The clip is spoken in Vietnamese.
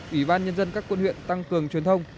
ubnd các quân huyện tăng cường truyền thông